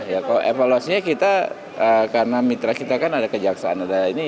kalau evaluasinya kita karena mitra kita kan ada kejaksaan